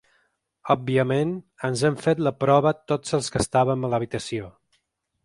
Òbviament, ens hem fet la prova tots els que estàvem a l’habitació.